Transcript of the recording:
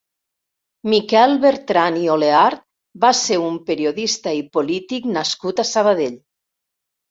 Miquel Bertran i Oleart va ser un periodista i polític nascut a Sabadell.